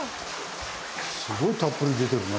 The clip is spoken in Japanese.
すごいたっぷり出てるね。